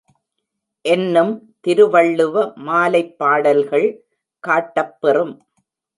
என்னும் திருவள்ளுவ மாலைப் பாடல்கள் காட்டப்பெறும்.